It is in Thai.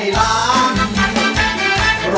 ขอบคุณมากครับขอบคุณครับ